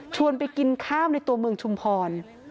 ไปกินข้าวในตัวเมืองชุมพร